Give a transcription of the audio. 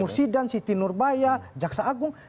mursidan siti nurbaya jaksa agung